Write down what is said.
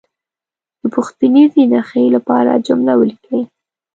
د پوښتنیزې نښې لپاره جمله ولیکي.